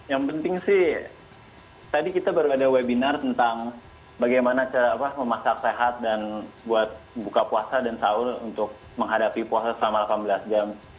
yang penting sih tadi kita baru ada webinar tentang bagaimana cara memasak sehat dan buat buka puasa dan sahur untuk menghadapi puasa selama delapan belas jam